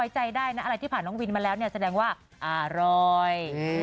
ใจได้นะอะไรที่ผ่านน้องวินมาแล้วเนี่ยแสดงว่าอร่อย